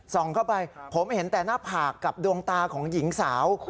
เข้าไปผมเห็นแต่หน้าผากกับดวงตาของหญิงสาว